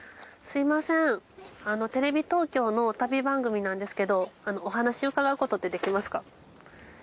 すみませんテレビ東京の旅番組なんですけどお話伺うことってできますか？